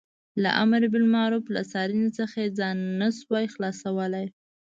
له امر بالمعروف له څار څخه یې ځان نه شوای خلاصولای.